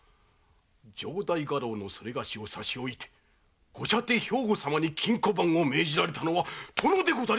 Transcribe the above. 城代家老のそれがしを差し置きご舎弟・兵庫様に金庫番を命じられたのは殿でございます！